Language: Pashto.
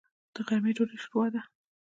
د غرمې ډوډۍ شوروا ده.